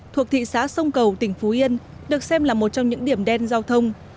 thuộc thị xã sông cầu tỉnh phú yên được xem là một trong những điểm đen giao thông